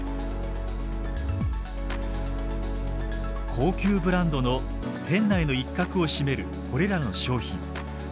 高級ブランドの店内の一角を占めるこれらの商品。